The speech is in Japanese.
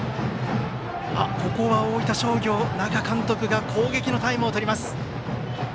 ここは大分商業、那賀監督が攻撃のタイムをとります。